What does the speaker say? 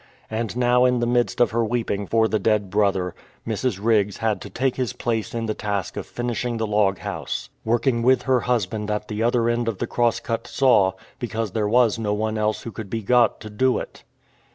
And now in the midst of her weeping for the dead brother, Mrs. Riggs 219 RETURN TO LAC QUI PARLE had to take his place in the task of finishing the log house, working with her husband at the other end of the cross cut saw, because there was no one else who could be got to do it.